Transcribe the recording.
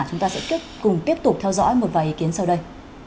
chúng ta sẽ cùng tiếp tục theo dõi một vài ý kiến sau đây